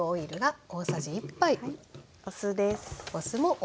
お酢です。